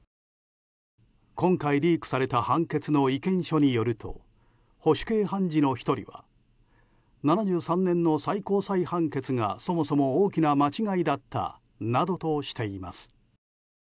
今回リークされた判決の意見書によると保守系判事の１人は７３年の最高裁判決がそもそも大きな間違いだったなどとしています。